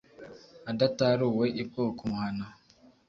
adataruwe i bwoko muhana